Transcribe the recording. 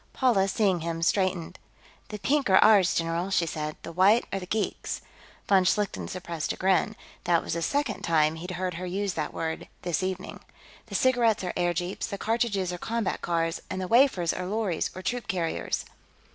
Paula, seeing him, straightened. "The pink are ours, general," she said. "The white are the geeks." Von Schlichten suppressed a grin; that was the second time he'd heard her use that word, this evening. "The cigarettes are airjeeps, the cartridges are combat cars, and the wafers are lorries or troop carriers."